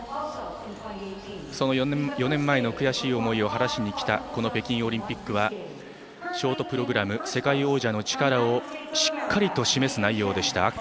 その４年前の悔しい思いを晴らしにきたこの北京オリンピックはショートプログラムで世界王者の力をしっかりと示す内容でした。